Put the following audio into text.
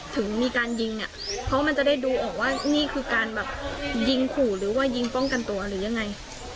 ถึงมีการยิงอ่ะเพราะมันจะได้ดูออกว่านี่คือการแบบยิงขู่หรือว่ายิงป้องกันตัวหรือยังไง